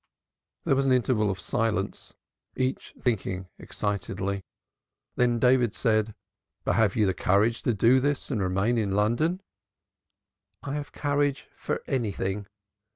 There was an interval of silence, each thinking excitedly. Then David said: "But have you the courage to do this and remain in London?" "I have courage for anything.